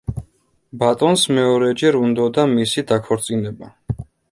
ბატონს მეორეჯერ უნდოდა მისი დაქორწინება.